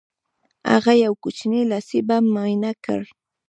هغه یو کوچنی لاسي بم معاینه کړ